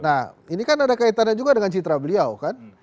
nah ini kan ada kaitannya juga dengan citra beliau kan